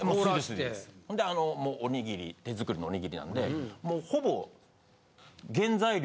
であのおにぎり手作りのおにぎりなんでもうほぼ。